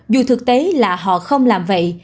dù thực tế là họ không làm vậy